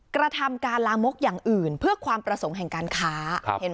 กระทำการลามกอย่างอื่นเพื่อความประสงค์แห่งการค้า